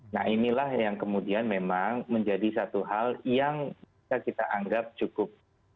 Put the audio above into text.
nah inilah yang kemudian memang menjadi satu hal yang bisa kita anggap cukup